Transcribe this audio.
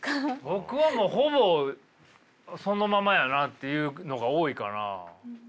僕はほぼそのままやなっていうのが多いかな。